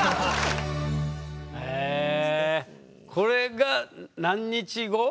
へえこれが何日後？